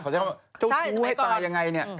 เจ้าชู้ให้ตายยังไงเนี่ย